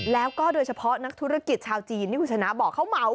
แล้วก็โดยเฉพาะนักธุรกิจชาวจีนที่คุณชนะบอกเขาเหมา